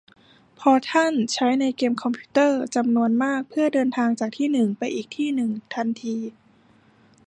พอร์ทัลใช้ในเกมคอมพิวเตอร์จำนวนมากเพื่อเดินทางจากที่หนึ่งไปอีกที่หนึ่งทันที